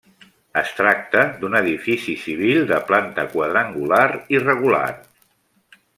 Es tracta d'un edifici civil de planta quadrangular irregular.